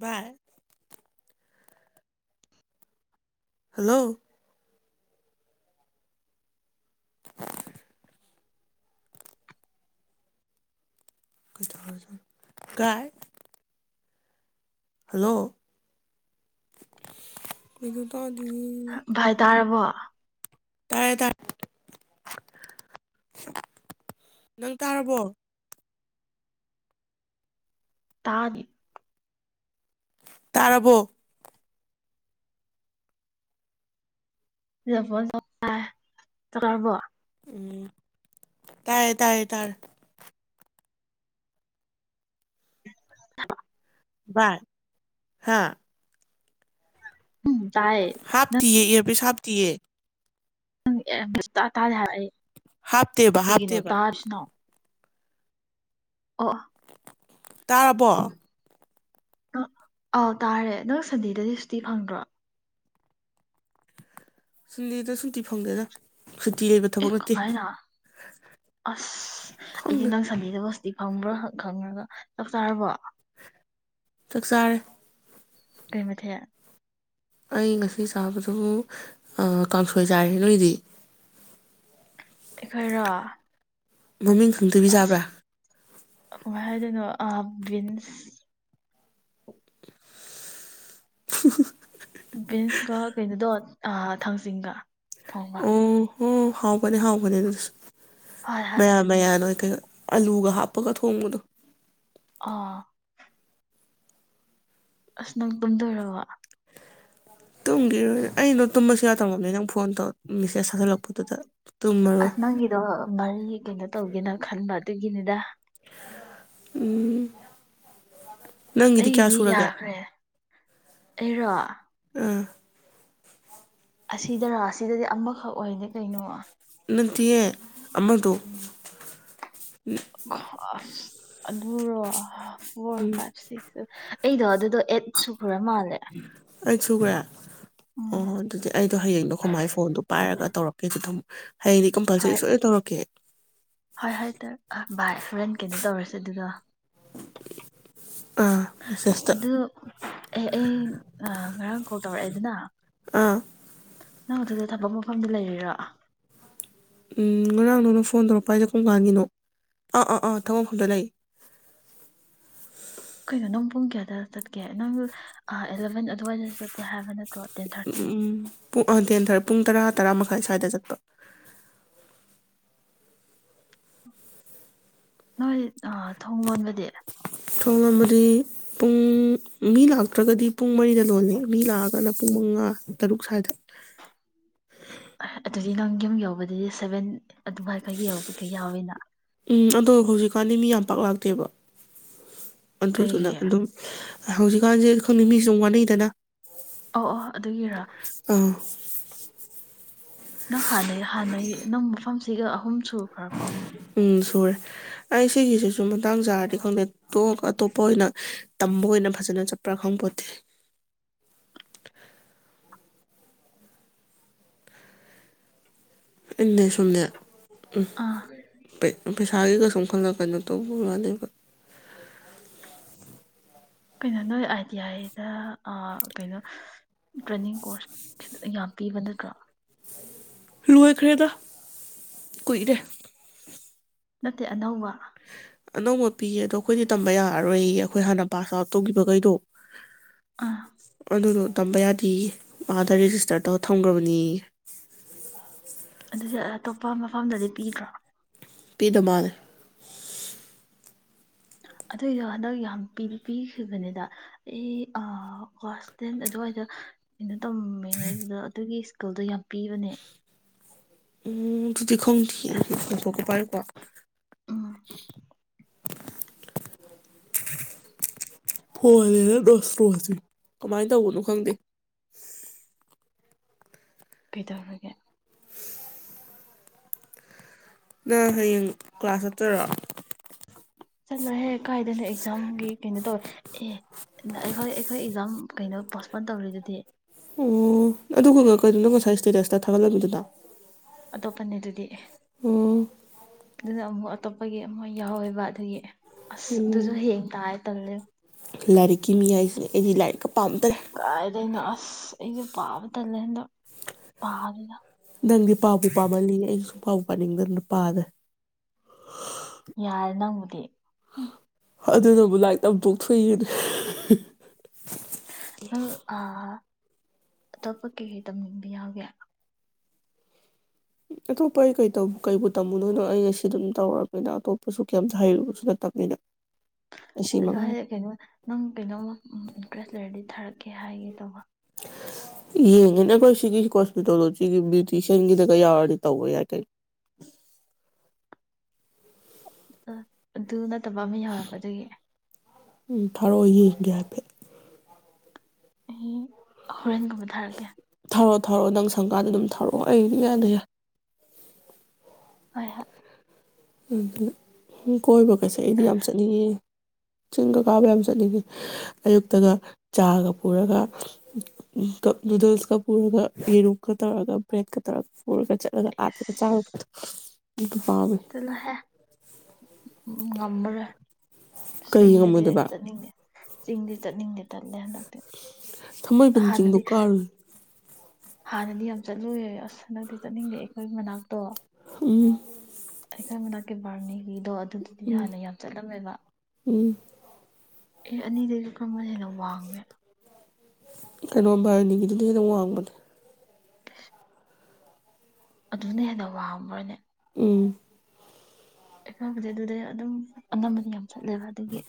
ꯚꯥꯏ ꯍꯜꯂꯣ! ꯀꯩꯗꯧꯔꯖꯥꯠꯅꯣ ꯀꯥꯏ꯫ ꯍꯜꯂꯣ! ꯀꯩꯝꯇ ꯇꯥꯗꯤꯌꯦ꯫ ꯚꯥꯏ ꯇꯥꯔꯕꯣ ꯇꯥꯔꯦ- ꯇꯥꯔꯦ ꯅꯪ ꯇꯥꯔꯕꯣ? ꯇꯥꯗꯦ꯫ ꯇꯥꯔꯕꯣ? [unintelligible] ꯎꯝ ꯇꯥꯏꯌꯦ - ꯇꯥꯏꯌꯦ ꯇꯥꯔꯦ꯫ ꯚꯥꯏ ꯍꯥꯥ? ꯎꯝ ꯇꯥꯏꯌꯦ ꯍꯥꯞ ꯇꯌꯦ ꯏꯌꯔ ꯄꯤꯁ ꯍꯥꯞ ꯇꯤꯌꯦ [unintelligible] ꯍꯥꯞꯇꯦꯕ- ꯀꯩꯒꯤꯅꯣ ꯍꯥꯞꯇꯦꯕ꯫ ꯇꯥꯗ꯭ꯔꯤꯁꯤꯅꯣ ꯑꯣ. ꯇꯥꯔ ꯕꯣ? ꯑꯥꯎ ꯇꯥꯔꯦ ꯅꯪ ꯁꯟꯗꯦꯗꯗꯤ ꯁꯨꯇꯤ ꯐꯪꯗ꯭ꯔꯣ? ꯁꯟꯗꯦꯗ ꯁꯨꯇꯤ ꯐꯪꯗꯦꯗ ꯫ ꯑꯦ ꯀꯃꯥꯏꯅ ꯑꯁ ꯑꯩꯗꯤ ꯈꯪꯗꯦ ꯅꯪ ꯁꯟꯗꯦꯗ ꯁ ꯁꯤ ꯐꯪꯕ꯭ꯔꯥ ꯈꯪꯈ꯭ꯔꯒ ꯆꯞ ꯆꯥꯔꯕꯣ? ꯆꯥꯛ ꯆꯥꯔꯦ꯫ ꯀꯩ ꯃꯊꯦꯜ? ꯑꯩ ꯉꯁꯤ ꯆꯥꯕꯗꯨ ꯀꯥꯡꯁꯣꯏ ꯆꯥꯏꯔꯦ꯫ ꯅꯣꯏꯗꯤ? ꯑꯩꯈꯣꯏꯔꯣ? ꯃꯃꯤꯡ ꯈꯪꯗꯕꯤ ꯑꯁ ꯆꯥꯕꯔꯥ? ꯀꯃꯥꯏ ꯍꯥꯏꯗꯅꯣ ꯑꯥ ꯕꯤꯟꯁ [unintelligible] ꯕꯤꯟꯁꯀ ꯀꯩꯅꯣꯗꯣ ꯊꯥꯡꯖꯤꯡꯒ ꯊꯣꯡꯕ꯫ ꯑꯣ ꯍꯥꯎꯕꯅꯤ - ꯍꯥꯎꯕꯅꯤ ꯑꯗꯨꯁꯨ꯫ ꯍꯣꯏ ꯍꯣꯏ ꯃꯌꯥꯟ - ꯑꯗꯨꯅꯦ ꯃꯌꯥꯟ ꯑꯣꯏ ꯀꯦꯏꯑꯣꯏ꯫ ꯑꯂꯨꯒ ꯍꯥꯞꯄꯒ ꯊꯣꯡꯉꯗꯣ ꯑꯥ ꯑꯁ ꯅꯪ ꯇꯨꯝꯗꯧꯔꯕ ꯇꯨꯝꯒꯤꯔ ꯑꯩꯅꯣ ꯇꯨꯝꯕꯁꯨ ꯌꯥ ꯇꯝꯃꯕꯅꯤ ꯅꯪ ꯐꯣꯟ ꯇꯧꯔ ꯑꯁ ꯅꯪꯒꯤꯗꯣ ꯃꯔꯤ ꯀꯩꯅꯣ ꯇꯧꯒꯦꯅ ꯈꯟꯕ ꯑꯗꯨꯒꯤꯅꯤꯗ ꯎꯝ ꯅꯪꯒꯤꯗꯤ ꯀꯌꯥ ꯁꯨꯔꯒꯦ ꯑꯦꯔꯣ ꯑꯥ ꯑꯁꯤꯗꯔꯥ ꯑꯁꯤꯗꯗꯤ ꯑꯃꯈꯛ ꯑꯣꯏꯗꯤꯦ ꯀꯩꯅꯣ ꯠꯇꯤꯌꯦ ꯑꯃꯗ ꯑꯁ ꯑꯗꯨꯔꯣ ꯐꯣꯔ ꯎꯝ ꯐꯥꯏꯚ ꯁꯤꯁ ꯑꯩꯗꯣ ꯑꯗꯨꯗꯣ ꯑꯦꯠꯁꯨ ꯑꯩ ꯁꯨꯈ꯭ꯔꯦ ꯑꯣ ꯎꯝ ꯑꯗꯨꯗꯤ ꯑꯩꯗꯣ ꯍꯌꯦꯡꯗꯣ ꯈꯨꯃꯥꯏ ꯐꯣꯟꯗꯣ ꯄꯥꯏꯔꯒ ꯇꯧꯔꯛꯀꯦ ꯑꯗꯨ ꯑꯗꯨꯝ ꯍꯥꯏꯗꯤ ꯀꯝꯄꯜꯁꯔꯤ ꯍꯣꯏ ꯁꯣꯏꯅ ꯇꯧꯔꯛꯀꯦ ꯍꯣꯏ ꯍꯣꯏ ꯚꯥꯏ ꯍꯣꯔꯦꯟ ꯀꯩꯅꯣ ꯇꯧꯔꯁꯦ ꯑꯗꯨꯗꯣ ꯑꯥ ꯃꯦꯁꯦꯁꯇ ꯑꯗꯨ ꯑꯩ ꯉꯔꯥꯡ ꯀꯣꯜ ꯇꯧꯔꯛꯑꯦ ꯑꯗꯨꯅ ꯑꯥ ꯅꯪ ꯑꯗꯨꯗ ꯊꯕꯛ ꯃꯐꯝꯗꯨ ꯂꯩꯔꯤꯔꯥ ꯎꯝ ꯉꯔꯥꯡ ꯅꯅ ꯐꯣꯟ ꯇꯧꯔꯛꯄ ꯍꯥꯏꯁꯦ ꯀꯣꯡꯀꯥꯟꯒꯤꯅꯣ ꯑꯥ ꯑꯥ ꯑꯥ ꯊꯕꯐꯝꯗ ꯂꯩ ꯀꯩꯅꯣ ꯅꯪ ꯄꯨꯡ ꯀꯌꯥꯗ ꯆꯠꯀꯦ ꯅꯪ ꯑꯦꯂꯚꯦꯟ ꯑꯗꯨꯋꯥꯏꯗ ꯆꯠꯇꯦ ꯍꯥꯏꯕ ꯅꯠꯇ꯭ꯔꯣ ꯇꯦꯟ ꯊꯥꯔꯇꯤ ꯎꯝ ꯄꯨꯡ ꯍꯟꯊꯦꯟꯥꯔ ꯄꯨꯡ ꯇꯔꯥ ꯇꯔꯥ ꯃꯈꯥꯏ ꯁ꯭ꯋꯥꯏꯗ ꯆꯠꯄ ꯅꯣꯏ ꯊꯣꯡ ꯂꯣꯟꯕꯗꯤ ꯊꯣꯡ ꯑꯃꯗꯤ ꯄꯨꯡ ꯃꯤ ꯂ ꯠꯇ꯭ꯔꯒꯗꯤ ꯄꯨꯡ ꯃꯔꯤꯗ ꯂꯣꯂꯦ ꯃꯤ ꯂꯥꯛꯑꯒꯅ ꯄꯨꯡ ꯃꯉꯥ ꯇꯔꯨꯛ ꯁ꯭ꯋꯥꯏꯗ ꯑꯗꯨꯗꯤ ꯅꯪ ꯌꯨꯝ ꯌꯧꯕꯗꯗꯤ ꯁꯚꯦꯟ ꯑꯗꯨꯃꯥꯏꯈ ꯌꯧꯕꯗꯤ ꯌꯥꯎꯋꯤꯅ ꯎꯝ ꯑꯗꯣ ꯍꯧꯖꯤꯛꯀꯥꯟꯗꯤ ꯃꯤ ꯌꯥꯝ ꯄꯥꯛ ꯂꯥꯛꯇꯦꯕ ꯑꯗꯨꯗꯨꯅ ꯀꯩꯒꯤ ꯑꯗꯨꯝ ꯍꯧꯖꯤꯛꯀꯥꯟꯁꯦ ꯈꯪꯅꯤꯡ ꯃꯤꯁꯤ ꯌꯥꯝ ꯋꯥꯠꯅꯩꯗꯅ ꯑ ꯑꯣ ꯑꯗꯨꯒꯤꯔꯥ ꯑꯥ ꯅꯪ ꯍꯥꯟꯅꯩ ꯍꯥꯟꯅꯩ ꯅꯪ ꯃꯐꯝꯁꯤꯒ ꯑꯍꯨꯝ ꯁꯨꯈ꯭ꯔꯕꯣ ꯎꯝ ꯁꯨꯔꯦ ꯑꯩ ꯁꯤꯒꯤꯁꯤꯁꯨ ꯃꯇꯥꯡ ꯆꯥꯔꯗꯤ ꯈꯪꯗꯦ ꯑꯇꯣꯞꯄ ꯑꯣꯏꯅ ꯇꯝꯕ ꯑꯣꯏꯅ ꯐꯖꯅ ꯆꯠꯄ꯭ꯔꯥ ꯈꯪꯕꯣꯠꯇꯦ ꯏꯟꯅ ꯁꯣꯗꯦ ꯑꯥ ꯄꯩꯁꯥꯒꯤꯒ ꯁꯨꯝ ꯈꯜꯅ ꯀꯩꯅꯣ ꯇꯧꯕ ꯃꯥꯅꯦꯕ ꯀꯩꯅꯣ ꯅꯣꯏ ꯑꯥꯏ ꯇꯤ ꯑꯥꯏꯗ ꯀꯩꯅꯣ ꯇ꯭ꯔꯦꯅꯤꯡ ꯀꯣꯔꯁ ꯌꯥꯝ ꯄꯤꯕ ꯅꯠꯇ꯭ꯔꯣ ꯂꯣꯏꯈ꯭ꯔꯦꯗ ꯀꯨꯏꯔꯦ ꯅꯠꯇꯦ ꯑꯅꯧꯕ ꯑꯅꯧꯕ ꯄꯤꯌꯦ ꯑꯗꯣ ꯑꯩꯈꯣꯏꯗꯤ ꯇꯝꯕ ꯌꯥꯔꯔꯣꯏ ꯑꯩꯈꯣꯏ ꯍꯥꯟꯅ ꯄꯥꯁ ꯑꯥꯎꯠ ꯇꯧꯈꯤꯕꯈꯩꯗꯣ ꯑꯥ ꯑꯗꯨꯣ ꯇꯝꯕ ꯌꯥꯗꯦ ꯃꯥꯗ ꯔꯦꯖꯤꯁꯇꯔ ꯇꯧ ꯊꯝꯈ꯭ꯔꯕꯅꯤ ꯑꯗꯨꯗꯤ ꯑꯇꯣꯞꯄ ꯃꯐꯝꯗꯗꯤ ꯄꯤꯗ꯭ꯔꯣ ꯄꯤ ꯑꯗꯨꯕꯗ ꯑꯗꯨꯏꯗꯣ ꯍꯟꯗꯛ ꯌꯥꯝ ꯄꯤꯈꯤꯕꯅꯤꯗ ꯑꯩ ꯀ꯭ꯂꯥꯁ ꯇꯦꯟ ꯑꯗꯨꯋꯥꯏꯗ ꯇꯝꯃꯤꯉꯩꯗꯨꯗ ꯑꯗꯨꯒꯤ ꯀꯜꯗꯣ ꯌꯥꯝ ꯄꯤꯕꯅꯦ ꯎꯝ ꯗꯤ ꯈꯣꯡ ꯊꯊꯒ ꯄꯥꯏꯦ ꯀꯣ ꯎꯝ ꯐꯗꯅ ꯗꯁ ꯂꯣꯁꯤ ꯀꯃꯥꯏꯅ ꯇꯧꯅꯨ ꯈꯪꯗ ꯀꯩꯗꯧꯔꯒꯦ ꯅꯪ ꯍꯌꯦꯡ ꯀ꯭ꯂꯥꯁ ꯆꯠꯇꯔꯣ ꯆꯂꯣ ꯍꯦꯛ ꯀꯥꯏꯗꯅ ꯑꯦꯛꯖꯥꯝꯒꯤ ꯀꯩꯅꯣ ꯇꯧꯋꯦ ꯑꯦ ꯑꯩꯈꯣꯏ ꯑꯩꯈꯣꯏ ꯑꯦꯛꯖꯥꯝ ꯀꯩꯅꯣ ꯄꯣꯁꯄꯣꯟ ꯇꯧꯔꯤꯗꯨꯗꯤ ꯑꯣ ꯑꯗꯨꯒ ꯀꯩꯩꯅꯣꯅꯣ ꯉꯁꯥꯏ ꯁ꯭ꯇꯦꯇꯁꯇ ꯊꯥꯒꯠꯂꯝꯃꯤꯗꯨꯅ ꯑꯇꯣꯞꯄꯅꯦ ꯑꯗꯨꯗꯤ ꯑꯣ ꯑꯗꯨꯅ ꯑꯃꯨꯛ ꯑꯇꯣꯞꯄꯒꯤ ꯑꯃ ꯌꯥꯎꯋꯦꯕ ꯑꯗꯨꯒꯤ ꯑꯁ ꯎꯝ ꯑꯗꯨꯁꯨ ꯍꯌꯦꯡ ꯇꯥꯌꯦ ꯇꯜꯂꯦ ꯂꯥꯏꯔꯤꯛꯀꯤ ꯃꯤ ꯍꯥꯏꯁꯤꯅꯦ ꯑꯩꯗꯤ ꯂꯥꯏꯔꯤꯛꯀ ꯄꯥꯝꯗ꯭ꯔꯦ ꯀꯥꯏꯗꯩꯅꯣ ꯑꯁ ꯑꯩꯁꯦ ꯄꯥꯕ ꯇꯜꯂꯦ ꯑꯗꯣ ꯄꯥꯗꯅ ꯅꯪꯗꯤ ꯄꯥꯕꯨ ꯄꯥꯃꯜꯂꯤ ꯑꯩꯗꯤ ꯁꯨꯛꯄꯥꯕꯨ ꯄꯥꯅꯤꯡꯗꯅ ꯄꯥꯗꯦ ꯌꯥꯔꯦ ꯅꯪꯕꯨꯗꯤ ꯎꯝ ꯑꯗꯨꯅꯕꯨ ꯂꯥꯏꯔꯤꯛ ꯇꯝ ꯄꯣꯛꯊꯣꯛ ꯐꯨꯔ ꯑ ꯑ ꯑꯇꯣꯞꯄ ꯀꯩꯀꯩ ꯇꯝꯅꯤꯡꯕ ꯌꯥꯎꯒꯦ ꯑꯇꯣꯞꯄ ꯑꯩ ꯀ ꯀꯩꯕꯨ ꯇꯝꯃꯨ ꯗꯣꯏꯅꯣ ꯑꯩ ꯉꯁꯤ ꯑꯗꯨꯝ ꯇꯧꯔꯕꯅꯤꯅ ꯑꯇꯣꯞꯄꯁꯨ ꯀꯦꯝꯃꯥ ꯍꯩꯔꯨꯕꯁꯨ ꯅꯠꯇꯕꯅꯤꯅ ꯑꯁꯤ ꯃꯉꯥꯏ ꯆꯂꯣꯍꯦ ꯀꯩꯅꯣ ꯅꯪ ꯀꯩꯅꯣꯝꯃ ꯏꯟꯇꯔꯦꯁ ꯂꯩꯔꯗꯤ ꯊꯥꯔꯛ ꯀꯀꯦ ꯍꯥꯏꯒꯦ ꯇꯧꯕ ꯌꯦꯡꯉꯤꯅꯦ ꯑꯩꯈꯣꯏ ꯁꯤꯒꯤ ꯍꯣꯁꯄꯤꯇꯥꯜꯗ ꯁꯤꯒꯤ ꯕ꯭ꯌꯨꯇꯤꯁꯤꯌꯥꯟꯒꯤꯗꯒ ꯌꯥꯎꯔꯗꯤ ꯇꯧꯕ ꯌꯥꯏ ꯀꯩ ꯑꯗꯨ ꯅꯠꯇꯕ ꯑꯃ ꯌꯥꯎꯋꯦꯕ ꯑꯗꯨꯒꯤ ꯎꯝ ꯊꯔꯛꯑꯣ ꯌꯦꯡꯒꯦ ꯍꯥꯏꯐꯦꯠ ꯑꯩ ꯍꯣꯔꯦꯟꯒꯨꯝꯕ ꯊꯥꯔꯛꯀꯦ ꯊꯥꯔꯛꯑꯣ ꯊꯥꯔꯛꯑꯣ ꯅꯪ ꯁꯪꯀꯥꯟꯗ ꯑꯗꯨꯝ ꯊꯥꯔꯛꯑꯣ ꯑꯩ ꯑꯗꯨꯝ ꯏꯌꯥꯗ ꯌꯥꯏ ꯍꯣꯏ ꯍꯣꯏ ꯏꯇ ꯀꯣꯏꯕꯒꯥꯁꯦ ꯑꯩꯗꯤ ꯅꯪ ꯌꯥꯝ ꯆꯠꯅꯤꯡꯉꯦ ꯆꯤꯡꯒ ꯀꯥꯕ ꯌꯥꯝ ꯆꯠꯅꯤꯡꯉꯤ ꯑꯌꯨꯛꯇꯒ ꯆꯥ ꯒꯥ ꯄꯨꯔꯒ ꯅꯨꯗꯜꯁꯀ ꯄꯨꯔꯒ ꯌꯦꯔꯨꯝꯀ ꯇꯧꯔꯒ ꯕ꯭ꯔꯦꯗꯀ ꯇꯧꯔꯒ ꯄꯨꯔꯒ ꯆꯠꯂꯒ ꯑꯥꯗꯒ ꯑꯁ ꯆꯥꯔꯨꯕꯗꯣ ꯠꯇ ꯐꯕ ꯆꯠꯂꯣꯍꯦ ꯉꯝꯃꯔꯣꯏ ꯀꯩ ꯆꯤꯡꯗꯗꯤ ꯑꯩ ꯉꯝꯃꯣꯏꯗꯕ ꯆꯠꯅꯤꯡꯗꯦ ꯆꯤꯡꯗꯤ ꯆꯠꯅꯤꯡꯗꯦ ꯇꯜꯂꯦ ꯍꯥꯏꯗꯤ ꯊꯥꯡꯃꯩꯕꯟ ꯆꯤꯡꯗꯣ ꯍꯥꯟꯅꯗꯤ ꯀꯥꯔꯨꯏ ꯍꯥꯟꯅꯗꯤ ꯌꯥꯝ ꯆꯠꯅꯤꯡꯂꯝꯃꯦ ꯑꯁ ꯍꯟꯗꯛꯇꯤ ꯆꯠꯅꯤꯡꯗꯦ ꯑꯩꯈꯣꯏꯒꯤ ꯃꯅꯥꯛꯇꯣ ꯎꯝ ꯃ ꯂꯦꯕꯥꯔꯅꯤꯒꯤꯗꯣ ꯑꯗꯨꯗꯨꯗꯤ ꯎꯝ ꯍꯥꯟꯅ ꯌꯥꯝ ꯆꯠꯂꯝꯃꯦꯕ ꯎꯝ ꯑꯦ ꯑꯅꯤꯗꯨꯗꯒꯤ ꯀꯔꯝꯕꯅ ꯍꯦꯟꯅ ꯋꯥꯡꯒꯦꯅ ꯀꯩꯅꯣ ꯕꯥꯥꯔꯅꯤꯒꯤꯗꯨꯅꯥꯗꯤ ꯍꯦꯟꯅ ꯋꯥꯡꯕꯅꯦ ꯒ ꯑꯗꯨꯅ ꯍꯦꯟꯅ ꯋꯥꯡꯕ꯭ꯔꯅꯦ ꯎꯝ ꯑꯩ ꯈꯁꯦ ꯑꯗꯨꯗꯤ ꯑꯗꯨꯝ ꯑꯅꯝꯕꯅꯤ ꯌꯥꯝ ꯆꯠꯂꯦꯕ ꯑꯗꯨꯒꯤ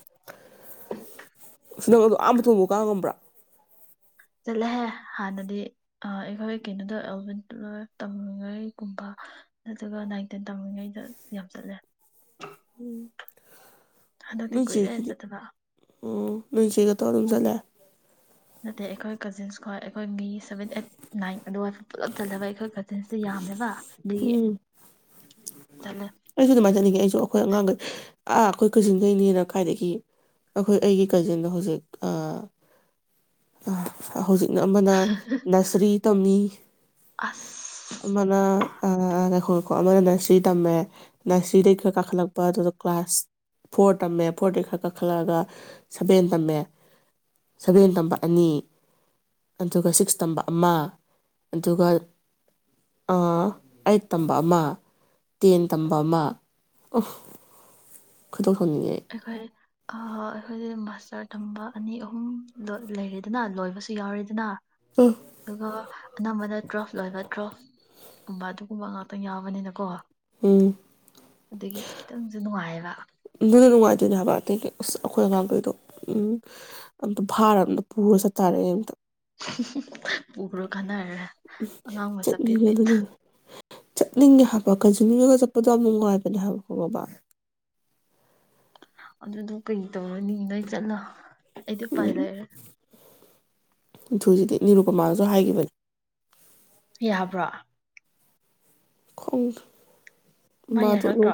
ꯅ ꯑ ꯊ ꯋꯥꯉꯕ꯭ꯔꯥ ꯆꯠꯂꯦꯍꯦ ꯍꯥꯟꯅꯗꯤ ꯑꯩꯈꯣꯏ ꯀꯩꯅꯣꯗꯣ ꯑꯦꯜꯕꯦꯝ ꯂꯣꯏ ꯇꯝꯂꯤꯉꯩꯒꯨꯝꯕ ꯅꯠꯇ꯭ꯔꯒ ꯅꯥꯏꯟꯇꯤꯟ ꯇꯝꯂꯤꯉꯩꯗ ꯌꯥꯝ ꯆꯠꯂꯦ ꯎꯝ ꯍꯟꯗꯛꯇꯤ ꯀꯨꯏꯔꯦ ꯅꯆꯦꯗꯤ ꯆꯠꯇꯕ ꯎ ꯅꯆꯦꯒ ꯍꯔ ꯆ ꯅꯠꯇꯦ ꯑꯩꯈꯣꯏ ꯀꯖꯤꯟꯁꯀꯣ ꯑꯩꯈꯣꯏ ꯃꯤ ꯁꯕꯦꯟ ꯑꯩꯠ ꯅꯥꯏꯟ ꯑꯗꯨꯋꯥꯏꯐ ꯄꯨꯂꯞ ꯆꯜꯂꯕ ꯑꯩꯈꯣꯏ ꯀꯖꯤꯟꯁꯇꯦ ꯌꯥꯝꯃꯦꯕ ꯑꯗꯨꯒꯤ ꯎꯝ ꯆꯠꯂꯦ ꯑꯩꯁꯨ ꯇꯃꯥꯏꯖꯅꯤ ꯑꯩꯁꯨ ꯑꯩꯈꯣꯏ ꯑꯉꯥꯡꯈꯩ ꯑꯥ ꯑꯩꯈꯣꯏ ꯀꯥꯖꯤꯟꯈꯩꯅꯤꯅ ꯀꯥꯏꯗꯒꯤ ꯑꯩꯈꯣꯏ ꯑꯩꯒꯤ ꯀꯖꯤꯟꯗꯣ ꯍꯧꯖꯤꯛ ꯑꯥ ꯑꯥ ꯍꯧꯖꯤꯛ ꯑꯃꯅ ꯅꯁꯔꯤ ꯇꯝꯃꯤ ꯑꯁ ꯑꯃꯅ ꯉꯥꯏꯈꯣ ꯉꯥꯏꯈꯣ ꯑꯃꯅ ꯅꯁꯔꯤ ꯇꯝꯃꯦ ꯅꯁꯔꯤꯗꯒꯤꯩ ꯈꯔ ꯀꯥꯈꯠꯂꯛꯄ ꯑꯗꯨꯗ ꯀ꯭ꯂꯥꯁ ꯐꯣꯔ ꯇꯝꯃꯦ ꯐꯣꯔꯗꯩ ꯈꯔ ꯀꯥꯈꯠꯂꯛꯑꯒ ꯁꯚꯦꯟ ꯇꯝꯃꯦ ꯁꯚꯦꯟ ꯇꯝꯕ ꯑꯅꯤ ꯑꯗꯨꯒ ꯁꯤꯛꯁ ꯇꯝꯕ ꯑꯃ ꯑꯗꯨꯒ ꯑꯩꯠ ꯇꯝꯕ ꯑꯃ ꯇꯦꯟ ꯇꯝꯕ ꯑꯃ ꯈꯨꯇꯣꯛ ꯊꯝꯅꯤꯡꯉꯦ ꯑꯩꯈꯣꯏ ꯑꯩꯈꯣꯏꯗꯤ ꯃꯥꯁꯇꯔ ꯊꯝꯕ ꯑꯅꯤ ꯑꯍꯨꯝ ꯂꯩꯔꯦꯗꯅ ꯂꯣꯏꯕꯁꯨ ꯌꯥꯎꯔꯤꯦꯗꯅ ꯎꯝ ꯑꯗꯨꯒ ꯑꯅꯝꯕꯅ ꯇ꯭ꯔꯣꯐ ꯂꯣꯏꯕ ꯇ꯭ꯔꯣꯐ ꯕ ꯑꯗꯨꯒꯨꯝꯕ ꯉꯥꯛꯇꯪ ꯌꯥꯎꯕꯅꯤꯅꯀꯣ ꯎꯝ ꯑꯗꯒꯤ ꯈꯤꯇꯪꯁꯨ ꯅꯨꯡꯉꯥꯏꯕ ꯁꯣꯏꯗꯅ ꯅꯨꯡꯉꯥꯏꯗꯣꯏꯅꯦ ꯍꯥꯏꯕ ꯑꯇꯦꯡ ꯑꯁ ꯑꯩꯈꯣꯏ ꯑꯉꯥꯡꯈꯩꯗꯣ ꯎꯝ ꯑꯝꯇ ꯚꯥꯔ ꯑꯝꯇ ꯄꯨꯔꯒ ꯆꯠꯇꯥꯔꯛꯑꯦ ꯑꯝꯇ ꯎꯈ꯭ꯔꯣ ꯈꯟꯅꯔꯔꯦ ꯑꯉꯥꯡ ꯃꯆꯥꯄꯦꯠ ꯆꯠꯅꯤꯡꯉꯦ ꯄꯦ ꯑꯗꯨꯅꯦ ꯆꯠꯅꯤꯡꯉꯦ ꯍꯥꯏꯕ ꯀꯟꯖꯨꯃꯤꯡꯔꯒ ꯆꯠꯄꯗꯣ ꯌꯥꯝ ꯅꯨꯡꯉꯥꯏꯕꯅꯦ ꯍꯥꯏꯕꯣ ꯕꯕꯥ ꯑꯗꯨꯗꯣ ꯀꯩ ꯇꯧꯔꯅꯤ ꯅꯣꯏ ꯆꯠꯂ ꯑꯩꯗꯤ ꯄꯥꯏ ꯂꯩ ꯅꯤꯡꯅꯤꯊꯨꯖꯤꯗꯤ ꯅꯤꯔꯨꯄꯃꯥꯅꯁꯨ ꯍꯥꯏꯈꯤꯕꯅꯤ ꯌꯥꯕ꯭ꯔꯣ ꯈꯣꯡ ꯃꯥ ꯇꯀ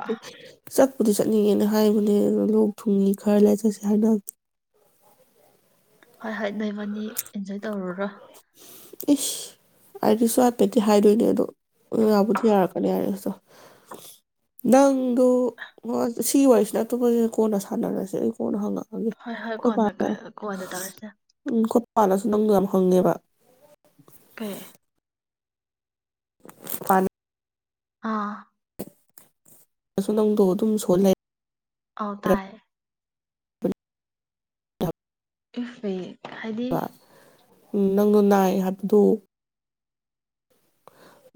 ꯆꯠꯄꯨꯗꯤ ꯆꯠꯅꯤꯡꯉꯦꯅ ꯍꯥꯏꯕꯅꯦ ꯑ ꯂꯣꯛ ꯊꯨꯡꯉ ꯈꯔ ꯂꯩ ꯆꯠꯁꯦ ꯍꯥꯏꯅ ꯍꯣꯏ ꯍꯣꯏ ꯅꯣꯏꯕꯅꯤ ꯑꯦꯟꯖꯣꯏ ꯇꯧꯔꯨꯔ ꯏꯁ ꯍꯥꯏꯗꯤꯁꯨ ꯍꯥꯏꯐꯦꯠꯇ ꯍꯥꯏꯗꯣꯏꯅꯦ ꯑꯗꯣꯕꯨꯗꯤ ꯌꯥꯔꯛꯀꯅꯤ ꯌꯥꯔꯦ ꯁꯤꯗꯣ ꯅꯪꯗꯣ ꯁꯤꯒꯤ ꯋꯥꯔꯤꯁꯤꯅ ꯑꯇꯣꯞꯄꯁꯤꯅ ꯀꯣꯟꯅ ꯁꯥꯟꯅꯔꯁꯦ ꯑꯩ ꯀꯣꯟꯅ ꯍꯪꯉꯛ ꯍꯣꯏ ꯍꯣꯏ ꯀꯣꯟꯗ ꯀꯣꯟꯗ ꯇꯧꯔꯁꯦ ꯄꯥꯟꯜꯅꯁꯨ ꯅꯪꯗꯣ ꯌꯥꯝ ꯍꯪꯉꯦꯕ ꯀꯦ ꯑꯅꯤ ꯑꯥ ꯁꯨ ꯅꯪꯗꯣ ꯑꯗꯨꯝ ꯁꯣꯂꯩ ꯑ ꯇꯥꯏ ꯂꯩꯔꯕ [inaudible] ꯍꯥꯏꯕꯗꯤ ꯎꯝ ꯅꯪꯗꯣ ꯅꯥꯏ ꯍꯥꯏꯕꯗꯨ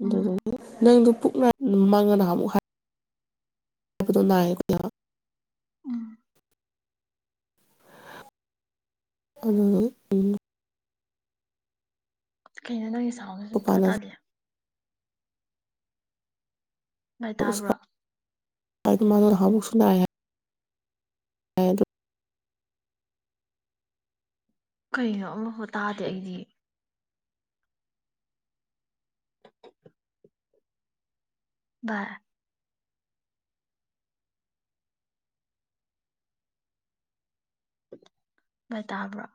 ꯎꯝ ꯅꯪ ꯄꯨꯛꯅ ꯃꯥꯡꯉꯅ ꯑꯃꯨꯛ ꯍꯥꯏ ꯍꯥꯏꯕꯗꯣ ꯅꯥꯏꯌꯦ ꯑꯩꯈꯣꯏꯅ ꯎꯝ ꯑꯗꯨ ꯎ ꯑꯩꯈꯣꯏ ꯀꯩꯅꯩꯅꯅ ꯄꯥꯅꯁꯨ ꯇꯗ ꯥꯏ ꯇꯥꯕ꯭ꯔꯣ ꯍꯥꯏꯃꯥꯟꯅ ꯍꯥꯕꯨꯁꯅ ꯑ ꯑꯗꯨ ꯀꯩꯅꯣ ꯑꯃꯐꯥꯎ ꯇꯥꯗꯦ ꯑꯩꯗꯤ [inaudible] ꯕꯥꯏ ꯇꯥꯕ꯭ꯔꯥ